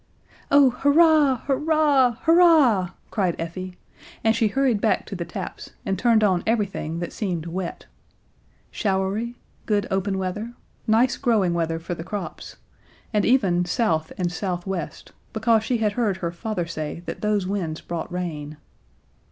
"Oh, hurrah, hurrah, hurrah!" cried Effie, and she hurried back to the taps and turned on everything that seemed wet. "Showery," "Good open weather," "Nice growing weather for the crops," and even "South" and "South West," because she had heard her father say that those winds brought rain.